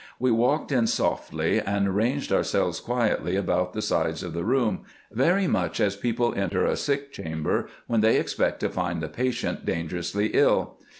"We walked in softly, and ranged ourselves quietly about the sides of the room, very much as people enter a sick chamber when they expect to find the patient dangerously ill.